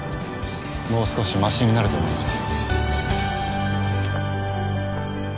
もう少しましになると思います。